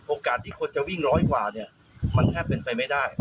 โอกาสที่คนจะวิ่งร้อยกว่าเนี่ยมันแทบเป็นไปไม่ได้